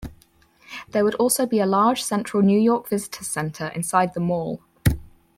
There would also be a large Central New York Visitors Center inside the mall.